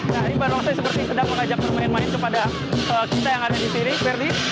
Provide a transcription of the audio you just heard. nah ini barongsai sedang mengajak permain main kepada kita yang ada di sini ferdi